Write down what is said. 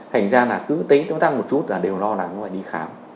thành ra là cứ tính tăng một chút là đều lo lắng và đi khám